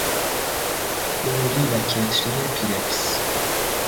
قوری و کتری پیرکس